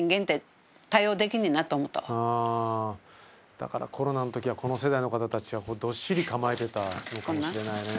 だからコロナの時はこの世代の方たちはどっしり構えてたのかもしれないね。